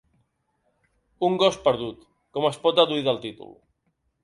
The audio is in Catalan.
Un gos perdut, com es pot deduir del títol.